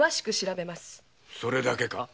それだけか？